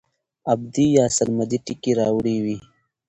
ابدي يا سرمدي ټکي راوړي وے